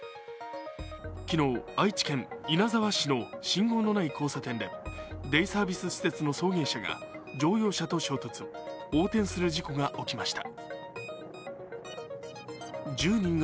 昨日、愛知県稲沢市の信号のない交差点でデイサービス施設の送迎車が乗用車と衝突、横転する事故が起きました。